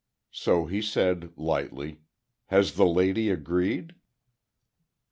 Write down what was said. So he said, lightly, "Has the lady agreed?"